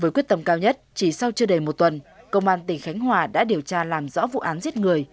với quyết tâm cao nhất chỉ sau chưa đầy một tuần công an tỉnh khánh hòa đã điều tra làm rõ vụ án giết người